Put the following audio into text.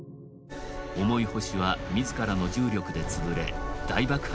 重い星は自らの重力で潰れ大爆発を起こします。